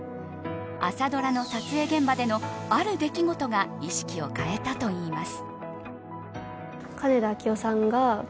朝ドラの撮影現場でのある出来事が意識を変えたといいます。